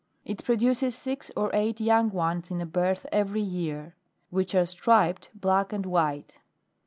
It produces six or eight young ones at a birth every year ; which are striped black and white.